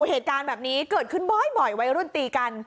เหตุการณ์แบบนี้เกิดขึ้นบ่อยวัยรุ่นตีกัน